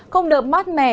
không đợt mát mẻ